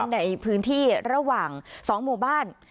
ในพื้นที่ระหว่าง๒หมู่บ้าน